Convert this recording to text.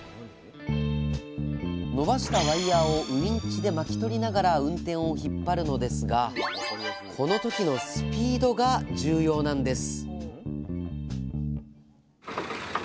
伸ばしたワイヤーをウインチで巻き取りながらウンテンを引っ張るのですがこの時のスピードが重要なんです